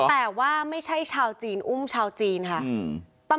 แต่ว่าไม่ใช่ชาวจีนอุ้มชาวจีนค่ะ